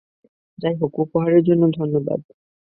যাই হোক, উপহারের জন্য ধন্যবাদ।